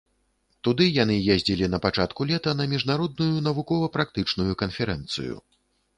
Туды яны ездзілі на пачатку лета на міжнародную навукова-практычную канферэнцыю.